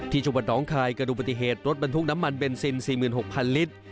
จังหวัดน้องคายกระดูกปฏิเหตุรถบรรทุกน้ำมันเบนซิน๔๖๐๐ลิตร